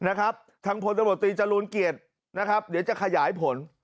นะครับทางพลตำรวจตรีจรูลเกียรตินะครับเดี๋ยวจะขยายผล